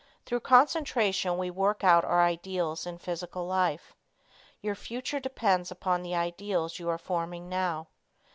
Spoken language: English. Through concentration we work out our ideals in physical life. Your future depends upon the ideals you are forming now.